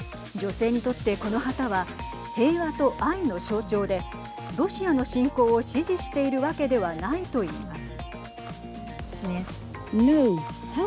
女性にとって、この旗は平和と愛の象徴でロシアの侵攻を支持しているわけではないといいます。